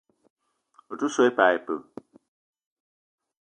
Ou te so i pas ipee?